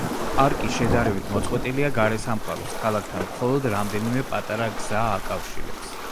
პარკი შედარებით მოწყვეტილია გარესამყაროს, ქალაქთან მხოლოდ რამდენიმე პატარა გზა აკავშირებს.